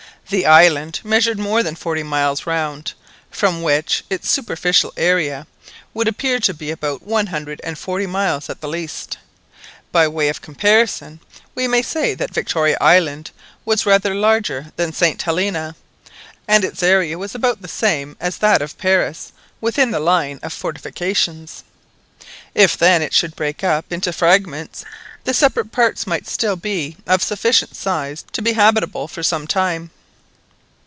The island measured more than forty miles round, from which its superficial area[r] would appear to be about one hundred and forty miles at the least. By way of comparison, we may say that Victoria Island was rather larger than St Helena, and its area was about the same as that of Paris within the line of fortifications. If then it should break up into fragments, the separate parts might still be of sufficient size to be habitable for some time.